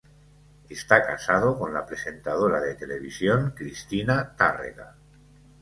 Está casado con la presentadora de televisión Cristina Tárrega.